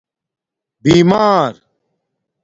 بیمار